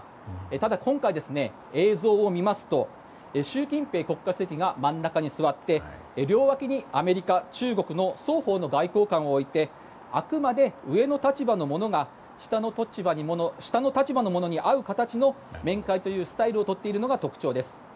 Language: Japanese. ただ、今回映像を見ますと習近平国家主席が真ん中に座って両脇にアメリカ、中国の双方の外交官を置いてあくまで上の立場の者が下の立場の者に会う形の面会というスタイルをとっているのが特徴です。